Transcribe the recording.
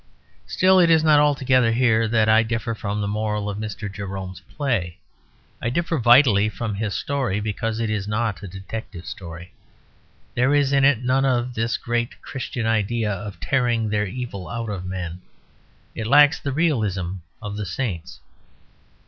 Still, it is not altogether here that I differ from the moral of Mr. Jerome's play. I differ vitally from his story because it is not a detective story. There is in it none of this great Christian idea of tearing their evil out of men; it lacks the realism of the saints.